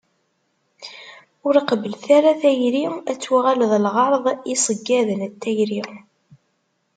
Ur qebblet ara tayri ad tuɣal d lɣerḍ i yiṣeggaden n tayri.